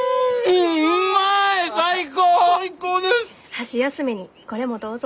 箸休めにこれもどうぞ。